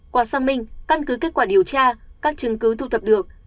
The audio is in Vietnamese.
quả xác minh căn cứ kết quả điều tra các chứng cứ thu thập được